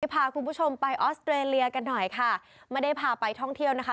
พาคุณผู้ชมไปออสเตรเลียกันหน่อยค่ะไม่ได้พาไปท่องเที่ยวนะคะ